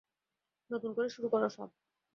নতুন করে শুরু করো সব।